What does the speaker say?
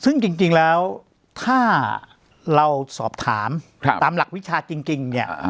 ซึ่งจริงแล้วถ้าเราสอบถามตามหลักวิชาจริงเนี่ย